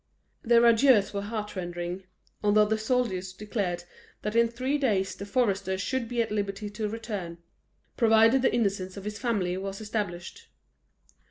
Their adieus were heart rending; although the soldiers declared that in three days the forester should be at liberty to return, provided the innocence of his family was established.